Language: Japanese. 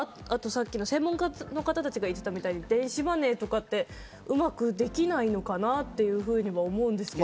専門家の方が言っていたみたいに電子マネーとかってうまくできないのかなって思うんですけど。